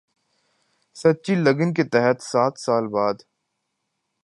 سچی لگن کے تحت سات سال بعد